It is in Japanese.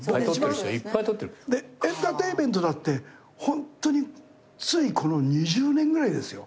エンターテインメントだってホントについこの２０年ぐらいですよ。